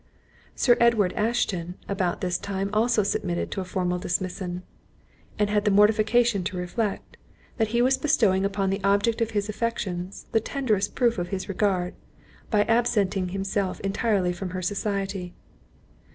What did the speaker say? Sir Edward Ashton about this time also submitted to a formal dismission; and had the mortification to reflect, that he was bestowing upon the object of his affections, the tenderest proof of his regard, by absenting himself entirely from her society.